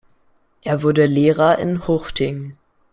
Er wurde Lehrer in Huchting.